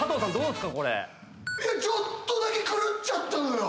ちょっとだけ狂っちゃったのよ。